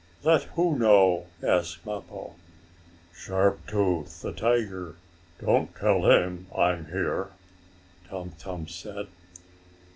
"Let who know?" asked Mappo. "Sharp Tooth, the tiger. Don't tell him I'm here," Tum Tum said.